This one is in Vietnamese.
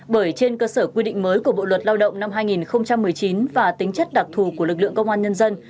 bởi trên cơ sở quy định mới của bộ luật lao động năm hai nghìn một mươi chín và tính chất đặc thù của lực lượng công an nhân dân